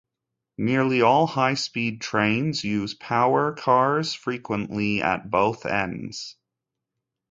Nearly all high speed trains use power cars, frequently at both ends.